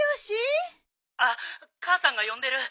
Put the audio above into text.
☎あっ母さんが呼んでる。